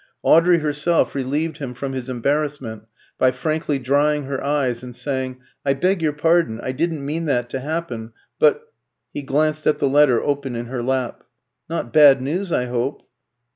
Audrey herself relieved him from his embarrassment by frankly drying her eyes and saying "I beg your pardon. I didn't mean that to happen; but " He glanced at the letter open in her lap. "Not bad news, I hope?"